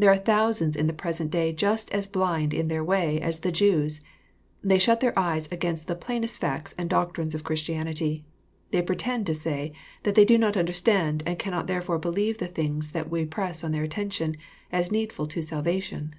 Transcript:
There are thousands in the present day just as blind in their way as the Jews. They shut their eyes against^he plainest facts and doctrines of Christianity. They pretend to say that they do not understand, and cannot therefore believe the things that we press on their attention, as needful to sal vation.